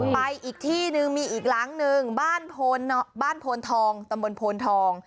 ไปอีกที่นึงมีอีกหลังนึงบ้านโพนทองตำบลโพนทอง